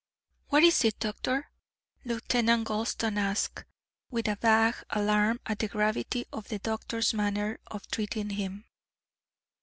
"What is it, doctor?" Lieutenant Gulston asked, with a vague alarm at the gravity of the doctor's manner of treating him.